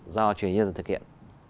do truyền nhân thực hiện